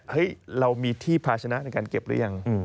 เรามีที่พาชนะในการเก็บหรือยัง